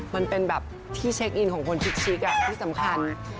มันเป็นแบบที่เช็คอินของคนชิคที่สำคัญ